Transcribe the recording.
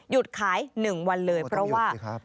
หยุดขาย๑วันเลยเพราะว่ามันต้องหยุดสิครับ